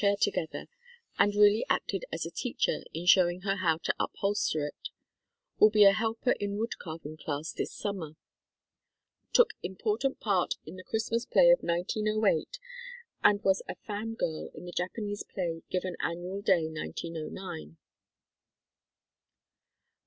put her chair together and really acted as a teacher in showing her how to up holster it. Will be a helper in wood carving class this summer. Took important part in the Christmas play of 1908 and was a "Fan Girl" in the Japanese play given Annual Day, 1909. Mar.